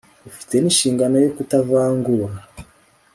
ufite n'inshingano yo kutavangura